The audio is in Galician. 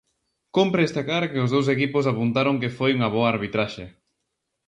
Cómpre destacar que os dous equipos apuntaron que foi unha boa arbitraxe.